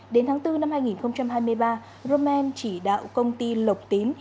đến tháng bốn năm hai nghìn hai mươi ba roman chỉ đạo công ty lộc tín